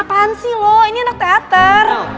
apaan sih lo ini anak teater